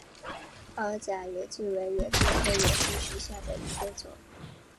凹籽远志为远志科远志属下的一个种。